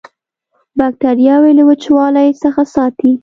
باکتریاوې له وچوالي څخه ساتي.